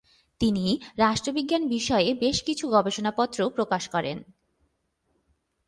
তিনি রাষ্ট্রবিজ্ঞান বিষয়ে বেশ কিছু গবেষণাপত্র প্রকাশ করেন।